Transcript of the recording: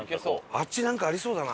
あっちなんかありそうだな。